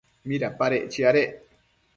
¿mitsipadec chiadec